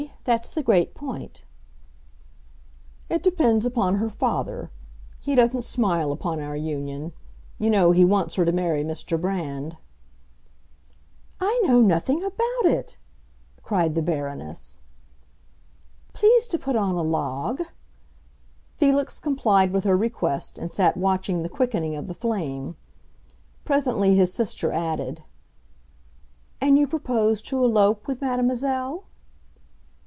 _ That's the great point." "It depends upon her father. He doesn't smile upon our union. You know he wants her to marry Mr. Brand." "I know nothing about it!" cried the Baroness. "Please to put on a log." Felix complied with her request and sat watching the quickening of the flame. Presently his sister added, "And you propose to elope with mademoiselle?"